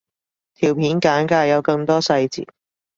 條片簡介有更多細節